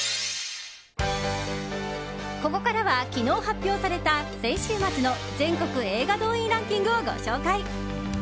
ここからは昨日発表された先週末の全国映画動員ランキングをご紹介。